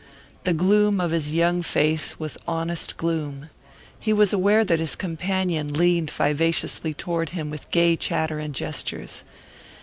The gloom of his young face was honest gloom. He was aware that his companion leaned vivaciously toward him with gay chatter and gestures.